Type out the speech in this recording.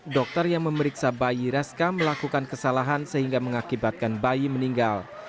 dokter yang memeriksa bayi raska melakukan kesalahan sehingga mengakibatkan bayi meninggal